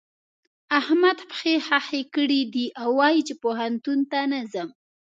احمد پښې خښې کړې دي او وايي چې پوهنتون ته نه ځم.